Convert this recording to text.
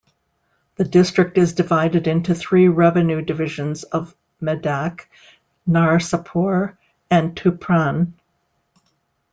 The district is divided into three revenue divisions of Medak, Narsapur and Tupran.